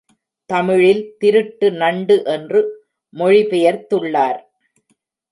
தமிழில் திருட்டு நண்டு என்று மொழி பெயர்த்துள்ளார்.